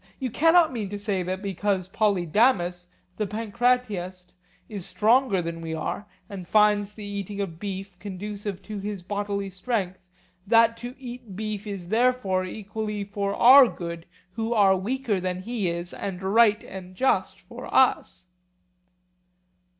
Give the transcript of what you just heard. You cannot mean to say that because Polydamas, the pancratiast, is stronger than we are, and finds the eating of beef conducive to his bodily strength, that to eat beef is therefore equally for our good who are weaker than he is, and right and just for us?